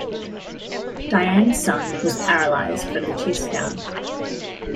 Diane's son was paralyzed from the chest down.